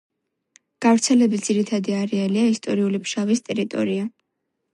გავრცელების ძირითადი არეალია ისტორიული ფშავის ტერიტორია.